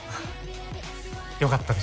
よかったです。